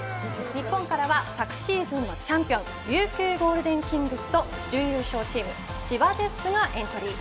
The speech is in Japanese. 日本からは昨シーズンのチャンピオン琉球ゴールデンキングスと準優勝チーム千葉ジェッツがエントリー。